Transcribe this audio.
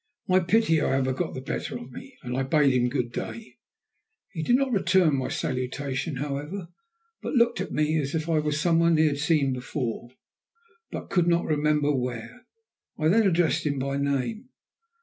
My pity, however, got the better of me, and I bade him good day. He did not return my salutation, however, but looked at me as if I were some one he had seen before, but could not remember where. I then addressed him by name.